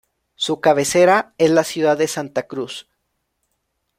Su cabecera es la ciudad de Santa Cruz.